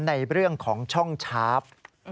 ในเรื่องของช่องชาร์ฟ